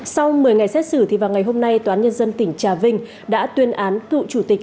sau một mươi ngày xét xử thì vào ngày hôm nay tòa án nhân dân tỉnh trà vinh đã tuyên án cựu chủ tịch